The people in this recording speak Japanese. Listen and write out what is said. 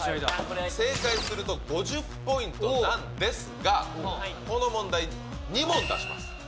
正解すると５０ポイントなんですが、この問題、２問出します。